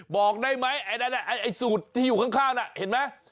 บอกได้ไหมไอ้สูตรที่อยู่ข้างน่ะเห็นไหม